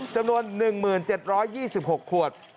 จำนวน๑๗๒๖ขวด